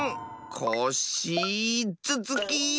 コッシーずつき！